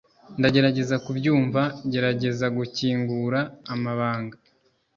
ndagerageza kubyumva, gerageza gukingura amabanga